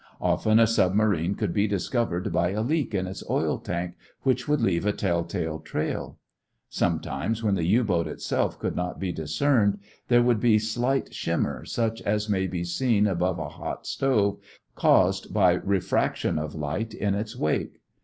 Often a submarine would be discovered by a leak in its oil tank which would leave a tell tale trail. Sometimes when the U boat itself could not be discerned, there would be slight shimmer, such as may be seen above a hot stove, caused by refraction of light in its wake.